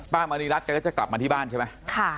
ป้ามณีรัฐกายก็จะกลับมาที่บ้านใช่มั้ย